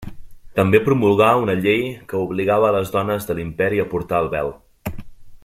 També promulgà una llei que obligava a les dones de l'Imperi a portar el vel.